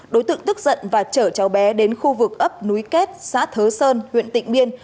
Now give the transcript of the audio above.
đối tượng tức giận và chở cháu bé đến khu vực ấp núi kết xã thớ sơn huyện tịnh biên